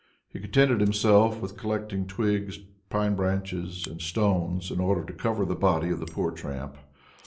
He contented himself with collecting twigs, pine branches, and stones in order to cover the body of the poor tramp.